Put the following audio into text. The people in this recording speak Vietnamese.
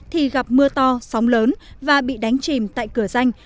thì gặp mưa to sóng lớn và bị đánh chìm tại cửa danh